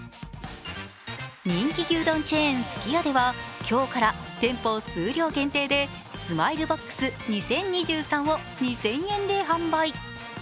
人気牛丼チェーン・すき家では今日から店舗・数量限定でＳＭＩＬＥＢＯＸ２０２３を２０００円で販売。